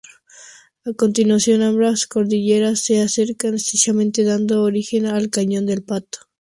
A continuación ambas cordilleras se acercan estrechamente dando origen al Cañón del Pato.